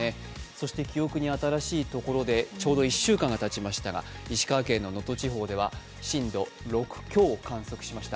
そして記憶に新しいところでちょうど１週間がたちましたが、石川県の能登地方では震度６強を観測しました。